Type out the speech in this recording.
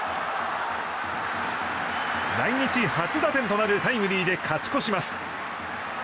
来日初打点となるタイムリーで勝ち越します。